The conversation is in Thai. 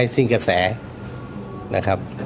สิ้นกระแสนะครับ